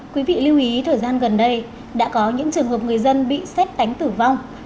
quý vị lưu ý thời gian gần đây đã có những trường hợp người dân bị xét đánh tử vong